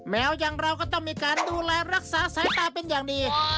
แมวอย่างเราก็ต้องมีการดูแลรักษาสายตาเป็นอย่างดี